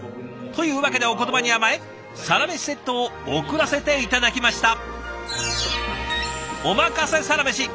というわけでお言葉に甘え「サラメシ」セットを送らせて頂きました。